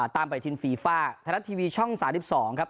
ตามไปทินฟีฟ่าธนัดทีวีช่อง๓๒ครับ